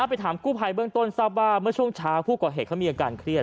ไปถามกู้ภัยเบื้องต้นทราบว่าเมื่อช่วงเช้าผู้ก่อเหตุเขามีอาการเครียด